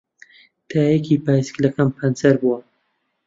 تایەیەکی پایسکلەکەم پەنچەر بووە.